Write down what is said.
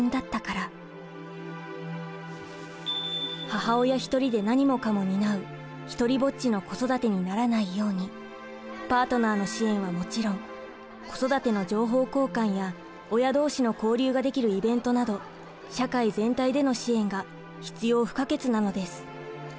母親一人で何もかも担う独りぼっちの「孤育て」にならないようにパートナーの支援はもちろん子育ての情報交換や親同士の交流ができるイベントなど社会全体での支援が必要不可欠なのです。